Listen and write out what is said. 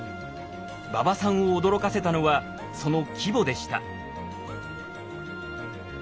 馬場さんを驚かせたのはその規模でした。